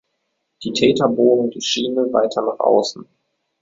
Die Täter bogen die Schiene weiter nach außen.